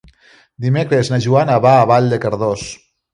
Dimecres na Joana va a Vall de Cardós.